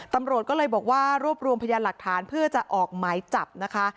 ตำรวจก็เลยบอกว่ารวบรวมพยานหลักฐานเพื่อจะออกหมายจับนะคะ